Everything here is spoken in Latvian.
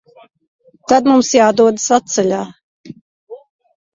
Tad mums jādodas atceļā.